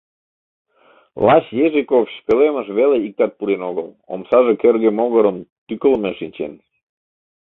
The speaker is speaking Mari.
Лач Ежиковьш пӧлемыш веле иктат пурен огыл: омсаже кӧргӧ могырым тӱкылымӧ шинчен.